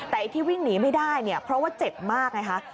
แต่ไอ้ที่วิ่งหนีไม่ได้เนี่ยเพราะว่าเจ็บมากไงคะ